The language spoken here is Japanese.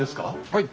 はい。